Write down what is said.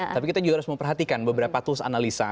tapi kita juga harus memperhatikan beberapa tools analisa